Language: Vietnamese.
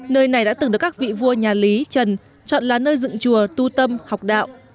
nơi này đã từng được các vị vua nhà lý trần chọn là nơi dựng chùa tu tâm học đạo